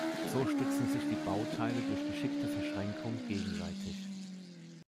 So stützen sich die Bauteile durch geschickte Verschränkung gegenseitig.